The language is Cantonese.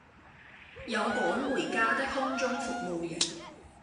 有趕回家的空中服務員